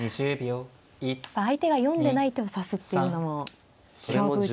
相手が読んでない手を指すっていうのも勝負術。